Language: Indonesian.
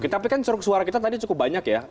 tapi kan ceruk suara kita tadi cukup banyak ya